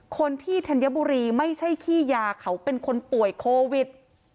คนที่ทันยบรีไม่ใช่ขี้ยาเขาเป็นคนป่วยโควิด